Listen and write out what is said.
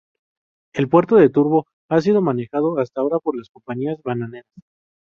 El puerto de Turbo ha sido manejado hasta ahora por las compañías bananeras.